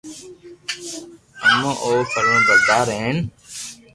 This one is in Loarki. امي او فرمابردار ھين